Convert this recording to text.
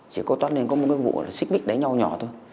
chỉ có toát lên có một cái vụ là xích mít đánh nhau nhỏ thôi